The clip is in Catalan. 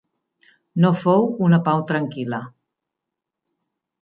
No fou una pau tranquil·la.